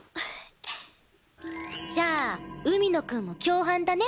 じゃあ海野くんも共犯だね。